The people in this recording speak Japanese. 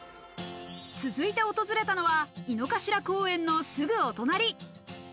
続いて訪れたのは井の頭公園のすぐお隣。